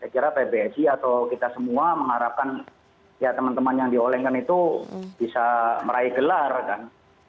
saya kira pbsi atau kita semua mengharapkan ya teman teman yang diolengen itu bisa meraih gelar kan